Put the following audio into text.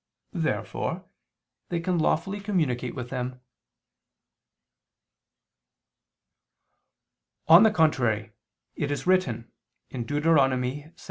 Therefore they can lawfully communicate with them. On the contrary, It is written (Deut.